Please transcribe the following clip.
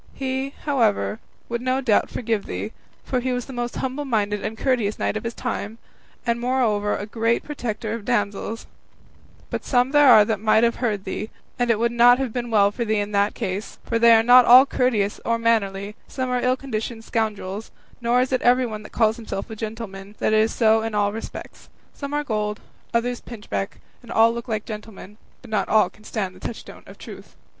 He, however, no doubt would forgive thee, for he was the most humble minded and courteous knight of his time, and moreover a great protector of damsels; but some there are that might have heard thee, and it would not have been well for thee in that case; for they are not all courteous or mannerly; some are ill conditioned scoundrels; nor is it everyone that calls himself a gentleman, that is so in all respects; some are gold, others pinchbeck, and all look like gentlemen, but not all can stand the touchstone of truth.